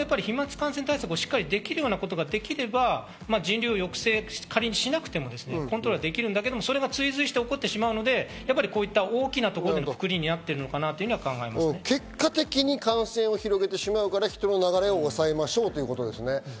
飛沫感染対策をしっかりできれば、人流の抑制を仮にしなくてもコントロールできるけど、追随して起こってしまうので、こういった大きなところで括りになっているか結果的に感染を広げるから、人の流れを抑えましょうということですね。